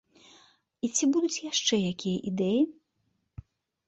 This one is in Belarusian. І ці будуць яшчэ якія ідэі?